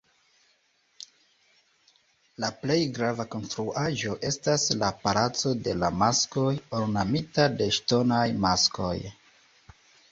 La plej grava konstruaĵo estas la "palaco de la maskoj", ornamita de ŝtonaj maskoj.